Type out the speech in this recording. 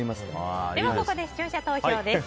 ここで視聴者投票です。